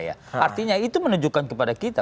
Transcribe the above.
artinya itu menunjukkan kepada kita